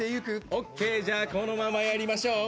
オーケー、じゃあこのままやりましょう。